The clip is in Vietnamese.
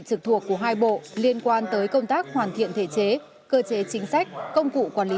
trực thuộc của hai bộ liên quan tới công tác hoàn thiện thể chế cơ chế chính sách công cụ quản lý